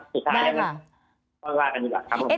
สุดท้ายก็บอกกันดีกว่าครับ